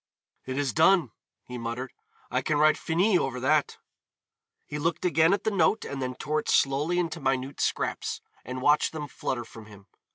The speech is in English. "It is done," he muttered. "I can write Finis over that." He looked again at the note and then tore it slowly into minute scraps, and watched them flutter from him.